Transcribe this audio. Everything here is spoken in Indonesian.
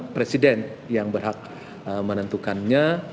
presiden yang berhak menentukannya